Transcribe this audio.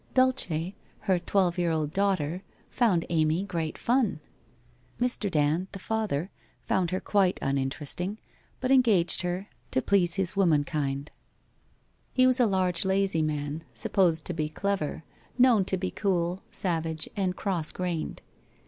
Dulce, her twelve year old daughter, found Amy great fun. Mr. Dand, the father, found her quite uninteresting, but engaged her, to please his woman kind. He was a large lazy man, supposed to be clever, known to be cool, savage and cross grained.